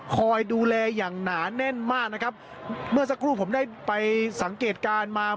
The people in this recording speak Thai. คอยดูแลอย่างหนาแน่นมากนะครับเมื่อสักครู่ผมได้ไปสังเกตการณ์มา